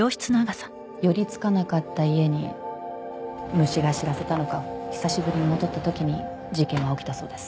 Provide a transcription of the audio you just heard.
寄りつかなかった家に虫が知らせたのか久しぶりに戻ったときに事件は起きたそうです